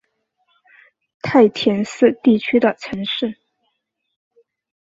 太田市地区的城市。